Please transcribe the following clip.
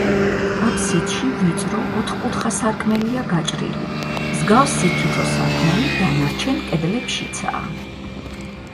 აფსიდში ვიწრო, ოთხკუთხა სარკმელია გაჭრილი, მსგავსი თითო სარკმელი დანარჩენ კედლებშიცაა.